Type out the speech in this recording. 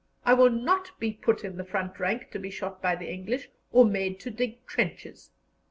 I will not be put in the front rank to be shot by the English, or made to dig trenches."